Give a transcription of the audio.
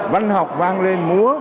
văn học vang lên múa vang lên